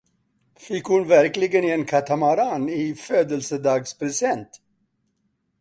Fick hon verkligen en katamaran i födelsedagspresent?